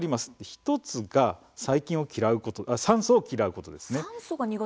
１つが酸素を嫌うことです。